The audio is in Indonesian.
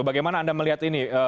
bagaimana anda melihat ini